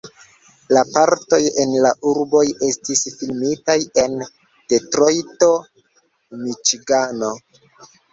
La partoj en la urboj estis filmitaj en Detrojto, Miĉigano.